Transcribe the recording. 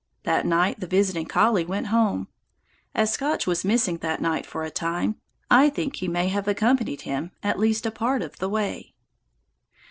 That night the visiting collie went home. As Scotch was missing that night for a time, I think he may have accompanied him at least a part of the way.